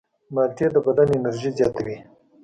مالټې د بدن انرژي زیاتوي.